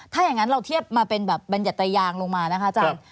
ถ้าอย่างนั้นเราเทียบมาเป็นแบบบรรยัตรยางลงมานะคะอาจารย์